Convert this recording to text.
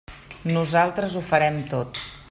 Nosaltres ho farem tot.